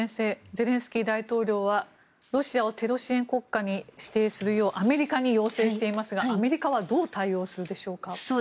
ゼレンスキー大統領はロシアをテロ支援国家に指定するようアメリカに要請していますがアメリカはどう対応するでしょうか。